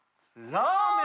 ラーメン。